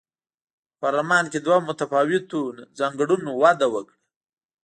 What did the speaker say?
په پارلمان کې دوه متفاوتو ځانګړنو وده وکړه.